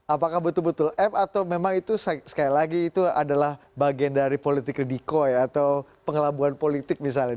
apakah betul betul f atau memang itu sekali lagi itu adalah bagian dari politik redikoy atau pengelabuhan politik misalnya